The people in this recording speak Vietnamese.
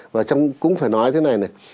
và cũng phải nói thế này này